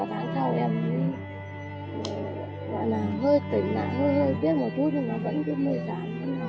một tháng sau em hơi tỉnh lại hơi biết một chút nhưng mà vẫn vẫn mệt dạng